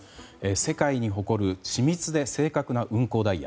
世界に誇る緻密で正確な運行ダイヤ。